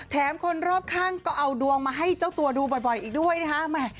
คนรอบข้างก็เอาดวงมาให้เจ้าตัวดูบ่อยอีกด้วยนะคะ